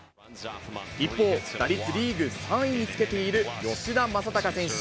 一方、打率リーグ３位につけている吉田正尚選手。